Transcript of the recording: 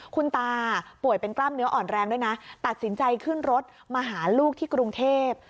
คุณตาป่วยเป็นกล้ามเนื้ออ่อนแรงด้วยนะตัดสินใจขึ้นรถมาหาลูกที่กรุงเทพ